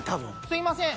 すいません。